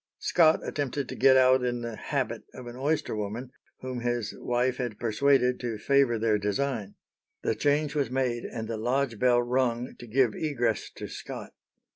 Scott attempted to get out in the "habit" of an oyster woman, whom his wife had persuaded to favour their design. The change was made, and the lodge bell rung to give egress to Scott.